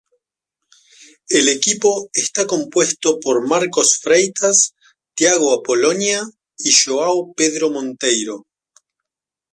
El equipo está compuesto por Marcos Freitas, Tiago Apolonia y João Pedro Monteiro.